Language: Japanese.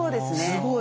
すごい。